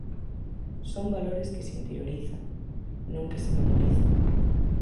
Son valores que se interiorizan, non que se memorizan.